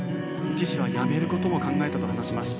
一時は辞める事も考えたと話します。